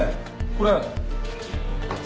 これ。